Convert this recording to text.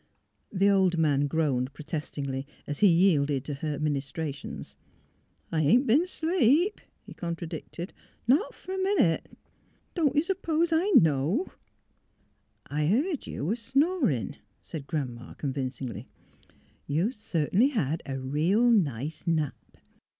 The old man groaned protestingly as he yielded to her ministrations. '* I ain't b'en asleep," he contradicted, " not fer a minute. Don't ye s'pose I know? "'' I heerd ye a snorin'," said Grandma, con vincingly. " You cert'nly had a reel nice nap."